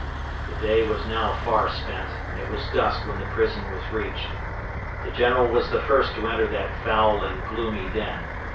The day was now far spent, and it was dusk when the prison was reached. The General was the first to enter that foul and gloomy den.